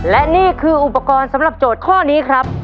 และนี่คืออุปกรณ์สำหรับโจทย์ข้อนี้ครับ